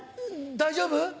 大丈夫？